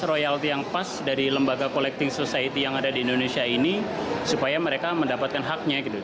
royalti yang pas dari lembaga collecting society yang ada di indonesia ini supaya mereka mendapatkan haknya gitu